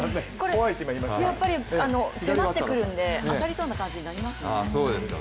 やっぱり迫ってくるので当たりそうな感じになりますね。